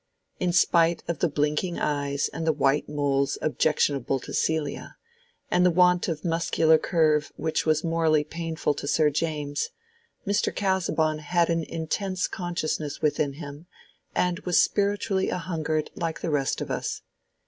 In spite of the blinking eyes and white moles objectionable to Celia, and the want of muscular curve which was morally painful to Sir James, Mr. Casaubon had an intense consciousness within him, and was spiritually a hungered like the rest of us.